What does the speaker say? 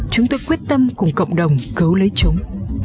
chúng tôi quyết tâm cùng cộng đồng cấu lấy chúng